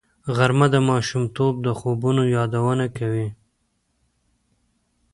غرمه د ماشومتوب د خوبونو یادونه کوي